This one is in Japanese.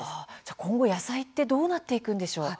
今後野菜はどうなっていくんでしょう。